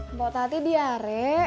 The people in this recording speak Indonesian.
mbak tati diare